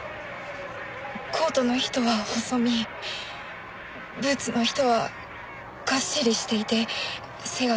コートの人は細身ブーツの人はがっしりしていて背が高かったと思います。